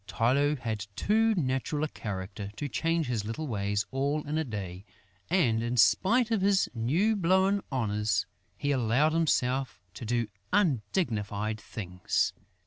Tylô had too natural a character to change his little ways all in a day; and, in spite of his new blown honours, he allowed himself to do undignified things.